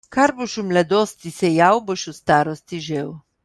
Kar boš v mladosti sejal, boš v starosti žel.